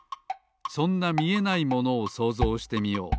そんなみえないものをそうぞうしてみよう。